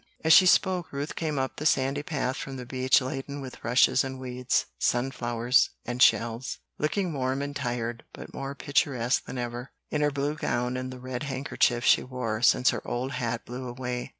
As she spoke Ruth came up the sandy path from the beach laden with rushes and weeds, sun flowers and shells, looking warm and tired but more picturesque than ever, in her blue gown and the red handkerchief she wore since her old hat blew away.